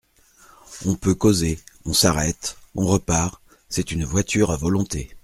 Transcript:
On peut causer… on s’arrête… on repart… c’est une voiture à volonté…